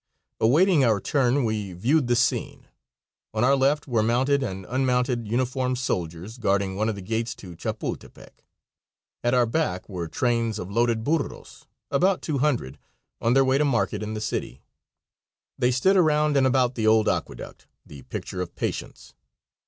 Awaiting our turn we viewed the scene. On our left were mounted and unmounted uniformed soldiers guarding one of the gates to Chapultepec. At our back were trains of loaded burros, about 200, on their way to market in the city. They stood around and about the old aqueduct, the picture of patience.